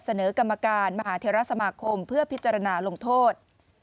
เสนอกรรมการมหาเทราสมาคมเพื่อพิจารณาลงโทษ